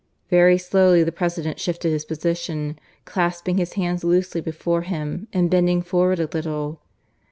Very slowly the President shifted his position, clasping his hands loosely before him and bending forward a little.